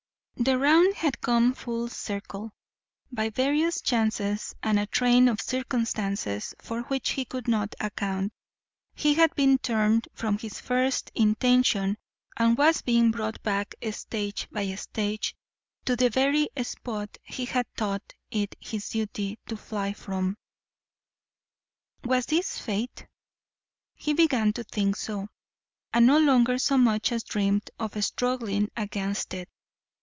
The round had come full circle. By various chances and a train of circumstances for which he could not account, he had been turned from his first intention and was being brought back stage by stage to the very spot he had thought it his duty to fly from. Was this fate? He began to think so, and no longer so much as dreamed of struggling against it.